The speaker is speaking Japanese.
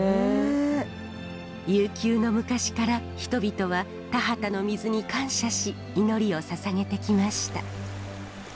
悠久の昔から人々は田畑の水に感謝し祈りをささげてきました。